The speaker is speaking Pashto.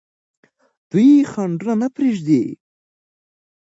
دوی خنډونه نه پرېږدي.